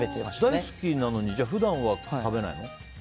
大好きなのに普段は食べないの？